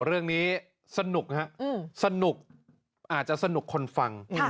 เรื่องนี้สนุกฮะสนุกอาจจะสนุกคนฟัง